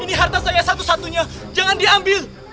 ini harta saya satu satunya jangan diambil